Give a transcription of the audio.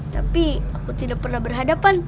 tapi aku tidak pernah berhadapan